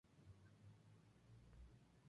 esta situación que se prolonga desde hace décadas